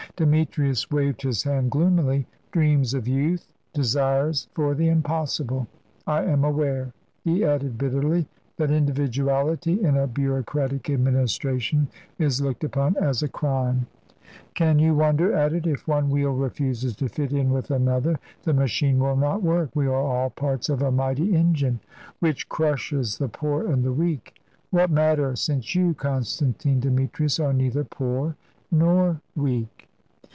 Demetrius waved his hand gloomily. "Dreams of youth desires for the impossible. I am aware," he added bitterly, "that individuality in a bureaucratic administration is looked upon as a crime." "Can you wonder at it? If one wheel refuses to fit in with another, the machine will not work. We are all parts of a mighty engine " "Which crushes the poor and the weak." "What matter, since you, Constantine Demetrius, are neither poor nor weak?"